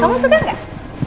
kamu suka gak